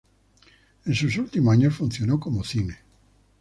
En sus últimos años funcionó como cine.